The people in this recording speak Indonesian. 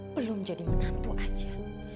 belum jadi menantu aja